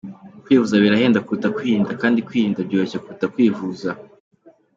Kwivuza birahenda kuruta kwirinda kandi kwirinda byoroshye kuruta kwivuza.